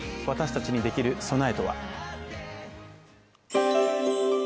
私たちにできる備えとは？